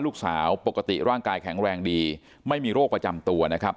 ลูกสาวปกติร่างกายแข็งแรงดีไม่มีโรคประจำตัวนะครับ